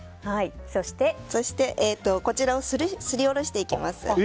そして、トマトをすりおろしていきます。